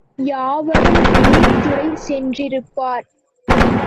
யாவரும் நீர்த்துறை சென்றிருப்பர்.